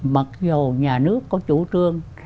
mặc dù nhà nước có chủ trương